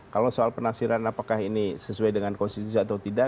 kalau soal penafsiran apakah ini sesuai dengan konstitusi atau tidak